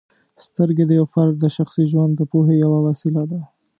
سترګې د یو فرد د شخصي ژوند د پوهې یوه وسیله ده.